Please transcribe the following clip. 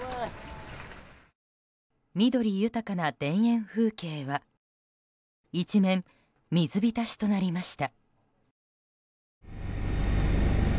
緑豊かな田園風景は一面、水浸しとなりました。